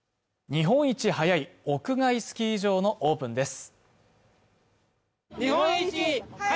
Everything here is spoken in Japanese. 日本一早い屋外スキー場のオープンです